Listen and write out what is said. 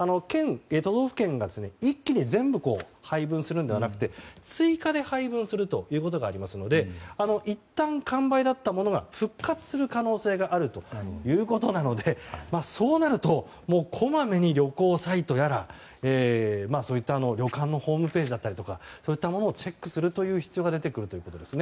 都道府県が一気に全部配分するのではなくて、追加で配分することがありますのでいったん完売だったものが復活する可能性があるということなのでそうなるとこまめに旅行サイトやら旅館のホームページだったりとかそういったものをチェックする必要が出てきます。